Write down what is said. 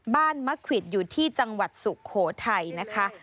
มะควิดอยู่ที่จังหวัดสุโขทัยนะคะ